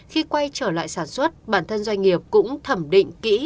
khi quay trở lại sản xuất bản thân doanh nghiệp cũng thẩm định kỹ